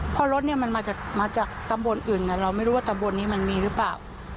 เพราะรถเนี่ยมันมาจากตำบลอื่นเราไม่รู้ว่าตำบลนี้มันมีหรือเปล่า